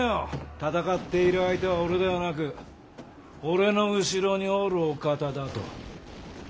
戦っている相手は俺ではなく俺の後ろにおるお方だと。